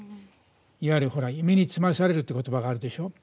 いわゆる身につまされるって言葉があるでしょう。